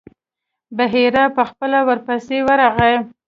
بحیرا په خپله ورپسې ورغی.